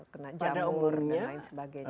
kena jamur dan lain sebagainya